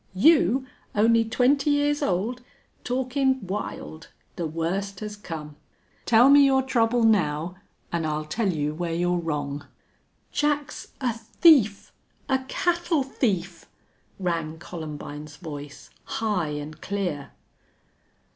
You only twenty years old talkin' wild the worst has come!... Tell me your trouble now an' I'll tell you where you're wrong." "Jack's a thief a cattle thief!" rang Columbine's voice, high and clear.